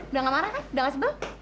udah gak marah kan udah gak sebelah